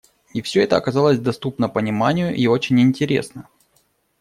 И всё это оказалось доступно пониманию и очень интересно.